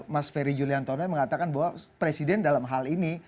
mas ferry juliantono mengatakan bahwa presiden dalam hal ini